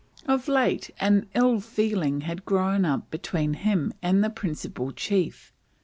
Of late an ill feeling had grown up between him and the principal chief.